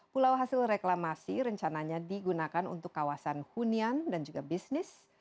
pulau hasil reklamasi rencananya digunakan untuk kawasan hunian dan juga bisnis